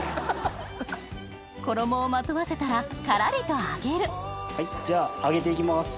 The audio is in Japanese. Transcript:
衣をまとわせたらからりと揚げるじゃあ揚げて行きます。